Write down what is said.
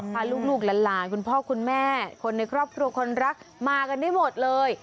พาลูกหลานคุณพ่อคุณแม่คนในครอบครัวคนรักมากันได้หมดเลย